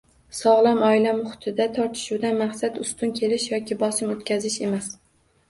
Sog‘lom oila muhitida tortishuvdan maqsad ustun kelish yoki bosim o‘tkazish emas.